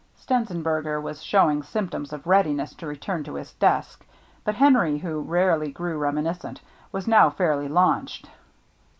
Stenzenberger was showing symptoms of readiness to return to his desk, but Henry, who rarely grew reminiscent, was now fairly launched.